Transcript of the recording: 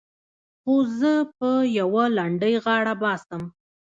خو زه په يوه لنډۍ غاړه باسم.